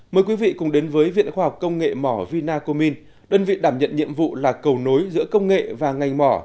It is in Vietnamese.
mời quý vị cùng đến với viện khoa học công nghệ mỏ vinacomin đơn vị đảm nhận nhiệm vụ là cầu nối giữa công nghệ và ngành mỏ